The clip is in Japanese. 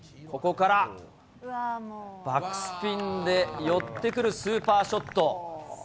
ここから、バックスピンで寄ってくるスーパーショット。